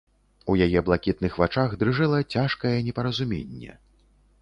У яе блакітных вачах дрыжэла цяжкае непаразуменне.